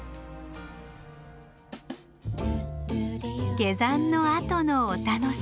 下山のあとのお楽しみ。